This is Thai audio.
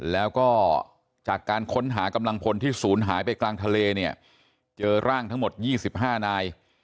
แล้วก็จากการค้นหากำลังพลที่ศูนย์หายไปกลางทะเลเนี่ยเจอร่างทั้งหมด๒๕นาย